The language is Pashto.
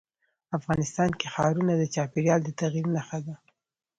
افغانستان کې ښارونه د چاپېریال د تغیر نښه ده.